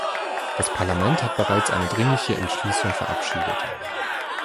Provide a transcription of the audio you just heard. Das Parlament hat bereits eine dringliche Entschließung verabschiedet.